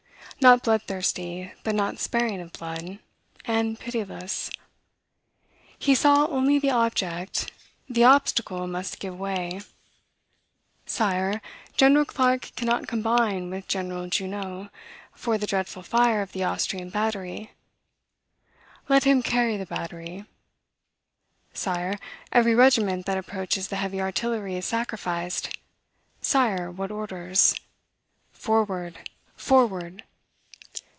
Not bloodthirsty, but not sparing of blood, and pitiless. He saw only the object: the obstacle must give way. "Sire, General Clarke cannot combine with General Junot, for the dreadful fire of the Austrian battery." "Let him carry the battery." "Sire, every regiment that approaches the heavy artillery is sacrified: Sire, what orders?" "Forward, forward!"